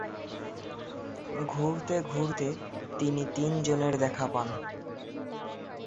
ঘুরতে ঘুরতে তিনি তিনজনের দেখা পান।